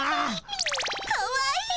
かわいい！